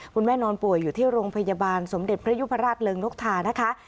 นอนป่วยอยู่ที่โรงพยาบาลสมเด็จพระยุพราชเริงนกทานะคะ